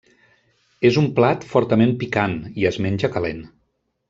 És un plat fortament picant, i es menja calent.